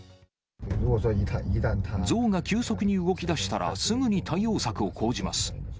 ゾウが急速に動き出したら、すぐに対応策を講じます。